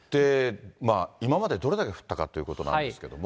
今までどれだけ降ったかということなんですけれども。